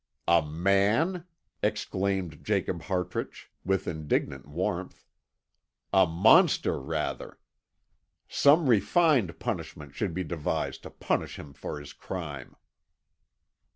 "A man?" exclaimed Jacob Hartrich, with indignant warmth. "A monster, rather! Some refined punishment should be devised to punish him for his crime."